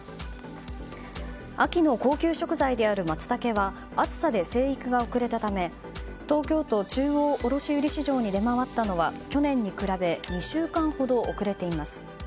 秋の高級食材であるマツタケは暑さで生育が遅れたため東京都中央卸売市場に出回ったのは、去年に比べ２週間ほど遅れています。